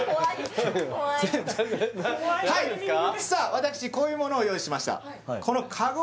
私こういうものを用意しました